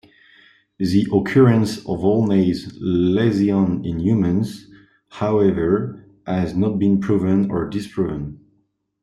The occurrence of Olney's lesions in humans, however, has not been proven or disproven.